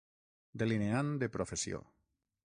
Delineant de professió.